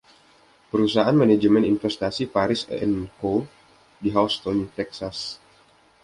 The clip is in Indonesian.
Perusahaan manajemen investasi Farish and Co. di Houston, Texas.